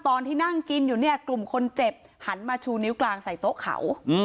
ตอนที่นั่งกินอยู่เนี่ยกลุ่มคนเจ็บหันมาชูนิ้วกลางใส่โต๊ะเขา